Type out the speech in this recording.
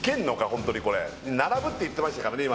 ホントにこれ並ぶって言ってましたからね